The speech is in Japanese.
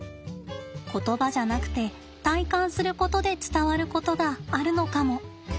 言葉じゃなくて体感することで伝わることがあるのかも。